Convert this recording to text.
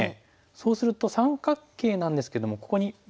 そうすると三角形なんですけどもここに眼がないですよね。